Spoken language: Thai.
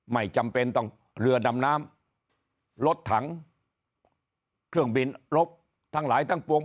ไม่จำเป็นต้องเรือดำน้ำรถถังเครื่องบินรถทั้งหลายทั้งปวง